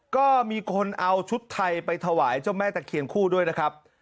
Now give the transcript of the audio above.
ก็มีคนเอาชุดไทยไปถวายเจ้าแม่ตะเคียนคู่ด้วยนะครับ